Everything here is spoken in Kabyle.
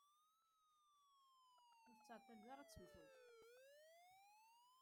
Ur tettɛeṭṭileḍ ara ad temmteḍ.